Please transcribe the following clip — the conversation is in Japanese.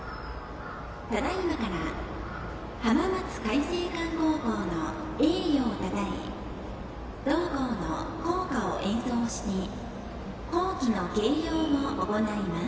ただ今から浜松開誠館高校の栄誉をたたえ同校の校歌を演奏して校旗の掲揚を行います。